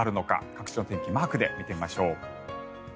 各地の天気マークで見てみましょう。